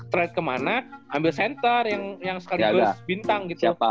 trade kemana ambil center yang sekaligus bintang gitu ya